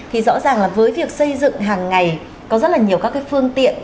thì rõ ràng là với việc xây dựng hàng ngày có rất là nhiều các cái phương tiện